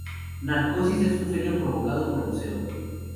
Narcosis es sueño provocado por buceo.